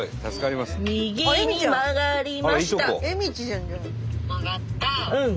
右に曲がりました。